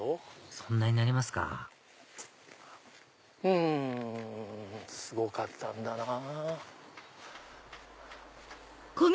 そんなになりますかうんすごかったんだなぁ。